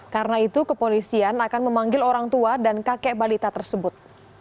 karena itu kepolisian akan memanggil orang tua dan kakek balita tersebut